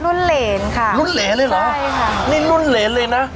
รุ่นเหรนค่ะรุ่นเหรนเลยเหรอใช่ค่ะนี่รุ่นเหรนเลยนะ